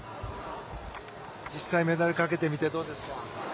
実際にメダルをかけてみてどうですか。